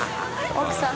奥さん。